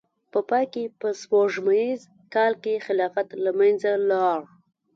په پای کې په سپوږمیز کال کې خلافت له منځه لاړ.